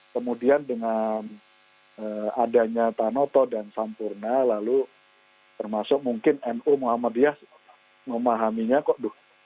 kemudian dengan adanya tanoto dan sampurna lalu termasuk mungkin nu muhammadiyah memahaminya kok